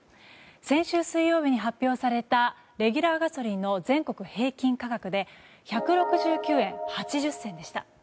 先週水曜日に発表されたレギュラーガソリンの全国平均価格で１６９円８０銭でした。